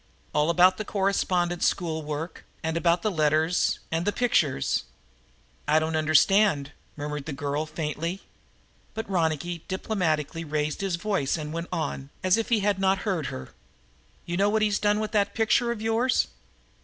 All about the correspondence school work and about the letters and about the pictures." "I don't understand," murmured the girl faintly. But Ronicky diplomatically raised his voice and went on, as if he had not heard her. "You know what he's done with that picture of yours?"